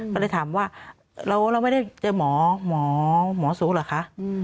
ก็เลยถามว่าเราไม่ได้เจอหมอหมอสูเหรอคะ